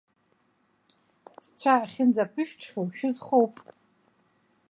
Сцәа ахьынӡаԥьшәҽхьоу шәызхоуп.